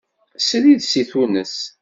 Srid seg Tunes.